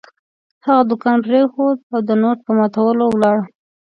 هغه دوکان پرېښود او د نوټ په ماتولو ولاړ.